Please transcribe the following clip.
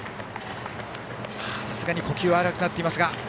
さすがに呼吸が荒くなっていますが、薮谷。